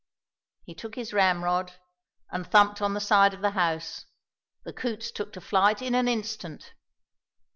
He took his ramrod, and thumped on the side of the house; the coots took to flight in an instant.